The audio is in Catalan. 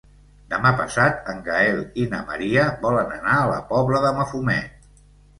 Demà passat en Gaël i na Maria volen anar a la Pobla de Mafumet.